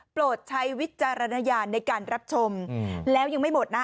โปรดใช้วิจารณญาณในการรับชมแล้วยังไม่หมดนะ